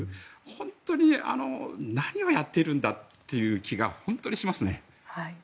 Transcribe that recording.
本当に何をやってるんだっていう気が本当にしますね。